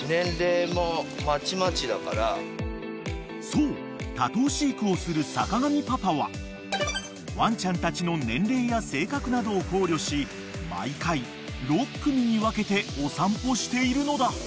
［そう多頭飼育をする坂上パパはワンちゃんたちの年齢や性格などを考慮し毎回６組に分けてお散歩しているのだ］